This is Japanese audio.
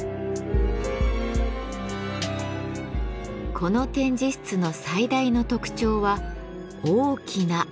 この展示室の最大の特徴は大きな穴。